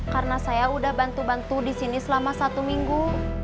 karena saya udah bantu bantu di sini selama satu minggu